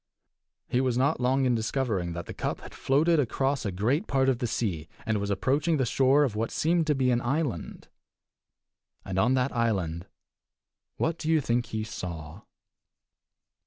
He was not long in discovering that the cup had floated across a great part of the sea, and was approaching the shore of what seemed to be an island. And on that island what do you think he saw?